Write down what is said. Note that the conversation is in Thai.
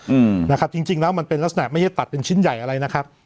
อืมนะครับจริงจริงแล้วมันเป็นลักษณะไม่ใช่ตัดเป็นชิ้นใหญ่อะไรนะครับ